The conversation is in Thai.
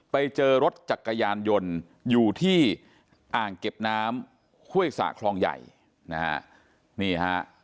ไปเจอรถจักรยานยนต์อยู่ที่อ่างเก็บน้ำห้วยสะคลองใหญ่นะฮะนี่ฮะ